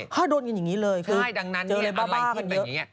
ถ้าโดนกันอย่างนี้เลยเจออะไรบ้าอย่างนี้